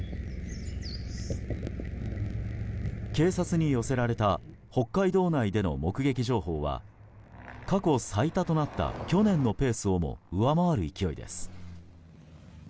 警察に寄せられた北海道内での目撃情報は過去最多となった去年のペースをも上回る勢いです。